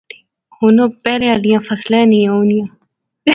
ہُن اوہ پہلے آلیاں فصلاں ہی نی ہونیاں